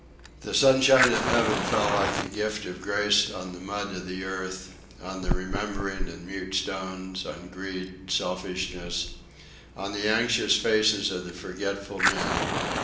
The sunshine of heaven fell like a gift of grace on the mud of the earth, on the remembering and mute stones, on greed, selfishness; on the anxious faces of forgetful men.